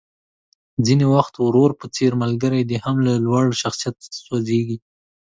ځينې وخت ورور په څېر ملګری دې هم له لوړ شخصيت سوځېږي.